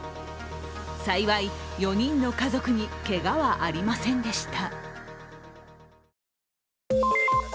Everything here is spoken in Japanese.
幸い４人の家族にけがはありませんでした。